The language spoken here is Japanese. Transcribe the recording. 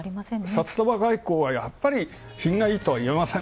札束外交は品がいいとはいえません。